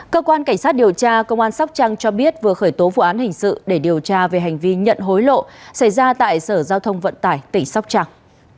cơ quan cảnh sát điều tra công an sóc trăng cho biết vừa khởi tố vụ án hình sự để điều tra về hành vi nhận hối lộ xảy ra tại sở giao thông vận tải tỉnh sóc trăng